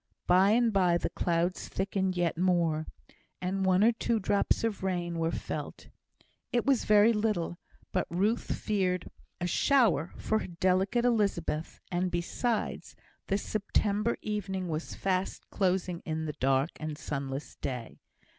By and by the clouds thickened yet more, and one or two drops of rain were felt. It was very little, but Ruth feared a shower for her delicate Elizabeth, and besides, the September evening was fast closing in the dark and sunless day.